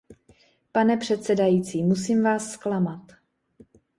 Pane předsedající, musím vás zklamat.